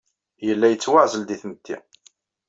Yella yettwaɛzel di tmetti.